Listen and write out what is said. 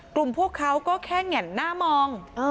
กลุ่มพวกเขาก็แค่แง่นหน้ามอง